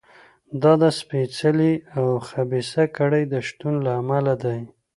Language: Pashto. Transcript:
دا د سپېڅلې او خبیثه کړۍ د شتون له امله دی.